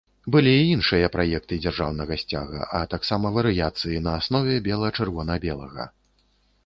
Былі і іншыя праекты дзяржаўнага сцяга, а таксама варыяцыі на аснове бела-чырвона-белага.